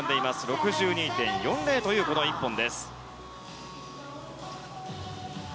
６２．４０という１本です。